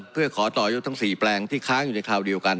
เพื่อขอต่อยกทั้ง๔แปลงที่ค้างอยู่ในคราวเดียวกัน